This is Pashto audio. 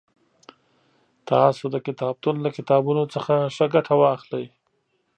تاسو د کتابتون له کتابونو څخه ښه ګټه واخلئ